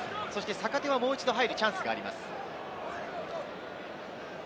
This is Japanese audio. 坂手はもう一度入るチャンスがあります。